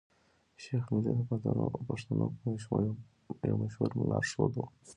شېخ ملي د پښتنو يو مشهور لار ښود وو.